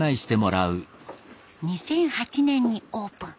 ２００８年にオープン。